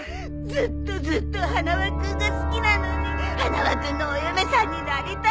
ずっとずっと花輪君が好きなのに花輪君のお嫁さんになりたいのに。